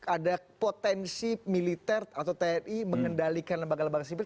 ada potensi militer atau tni mengendalikan lembaga lembaga sipil